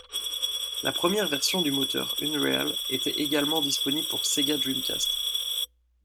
La première version du moteur Unreal était également disponible pour Sega Dreamcast.